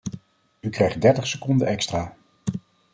U krijgt dertig seconden extra.